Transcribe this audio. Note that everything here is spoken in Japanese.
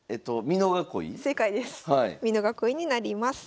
美濃囲いになります。